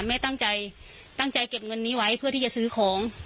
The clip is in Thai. แม่ตั้งใจตั้งใจเก็บเงินนี้ไว้เพื่อที่จะซื้อของ